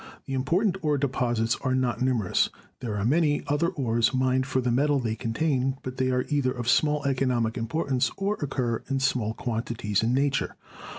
The important ore deposits are not numerous. There are many other ores mined for the metal they contain, but they are either of small economic importance or occur in small quantities in nature.